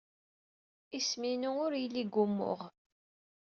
Isem-inu ur yelli deg wumuɣ.